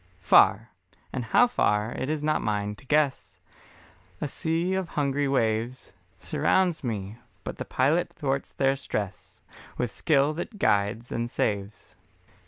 Far, and how far it is not mine to guess, A sea of hungry waves Surrounds me, but the Pilot thwarts their stress With skill that guides and saves.